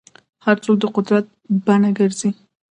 هر څوک د قدرت بنده ګرځي.